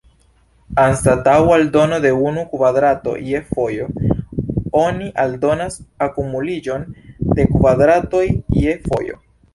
Anstataŭ aldono de unu kvadrato je fojo, oni aldonas akumuliĝon de kvadratoj je fojo.